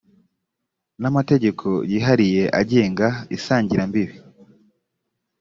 n amategeko yihariye agenga isangirambibi